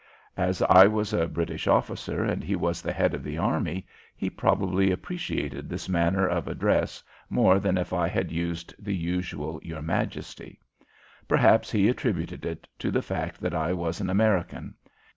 As I was a British officer and he was the head of the army, he probably appreciated this manner of address more than if I had used the usual "Your Majesty." Perhaps he attributed it to the fact that I was an American.